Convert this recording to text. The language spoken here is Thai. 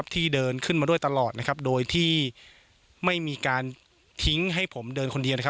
ที่เดินขึ้นมาด้วยตลอดโดยที่ไม่มีการทิ้งให้ผมเดินคนเดียว